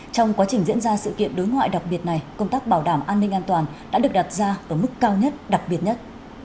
trong quá trình diễn ra sự kiện đối ngoại đặc biệt này công tác bảo đảm an ninh an toàn đã được đặt ra ở mức cao nhất đặc biệt nhất